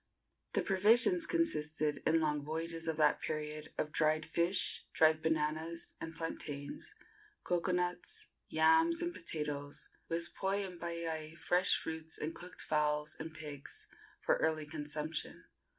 The provisions consisted, in long voyages of that period, of dried fish, dried bananas and plantains, cocoanuts, yams and potatoes, with poi and paiai, fresh fruits and cooked fowls and pigs, for early consumption.